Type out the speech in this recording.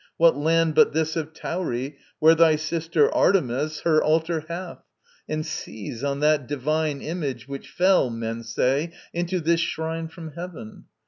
what land but this Of Tauri, where thy sister Artemis Her altar hath, and seize on that divine Image which fell, men say, into this shrine From heaven.